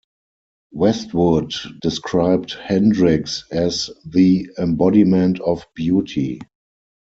Westwood described Hendricks as the embodiment of beauty.